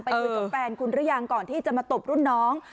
คุยกับแฟนคุณหรือยังก่อนที่จะมาตบรุ่นน้อง